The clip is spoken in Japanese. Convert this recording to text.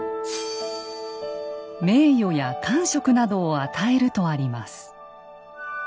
名誉や官職などを与えるとあります。